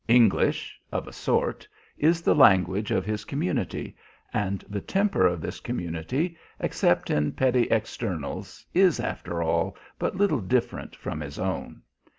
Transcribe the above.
English of a sort is the language of his community; and the temper of this community, except in petty externals, is, after all, but little different from his own.